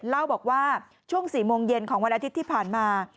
เล่าบอกว่าช่วง๔โมงเย็นของวันอาทิตย์ที่ผ่านมา